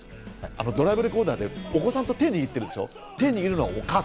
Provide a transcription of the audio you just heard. ドライブレコーダーでお子さんと手を握ってるでしょ？